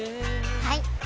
はい！